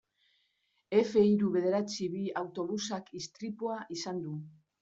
Efe hiru bederatzi bi autobusak istripua izan du.